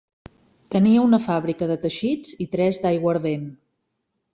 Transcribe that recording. Tenia una fàbrica de teixits i tres d'aiguardent.